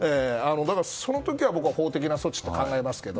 その時は僕は法的な措置を考えますけど。